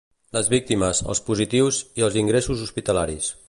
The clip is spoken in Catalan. Les víctimes, els positius i els ingressos hospitalaris.